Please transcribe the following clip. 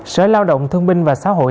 sở lao động thương minh và xã hội